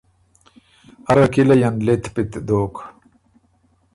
اره کِلئ ان لِت پِت دوک۔